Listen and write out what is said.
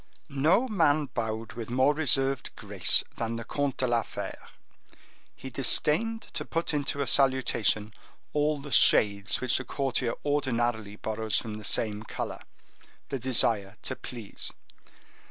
No man bowed with more reserved grace than the Comte de la Fere. He disdained to put into a salutation all the shades which a courtier ordinarily borrows from the same color—the desire to please.